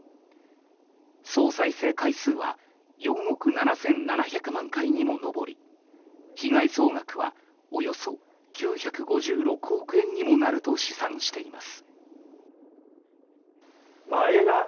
総再生回数は４億７７００万回にも上り被害総額はおよそ９５６億円にもなると試算しています。